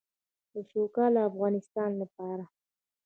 د سوکاله افغانستان لپاره.